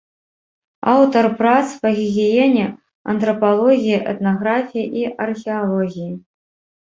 Аўтар прац па гігіене, антрапалогіі, этнаграфіі і археалогіі.